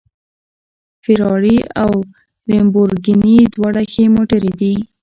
فېراري او لمبورګیني دواړه ښې موټرې دي